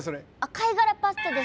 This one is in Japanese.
貝殻パスタです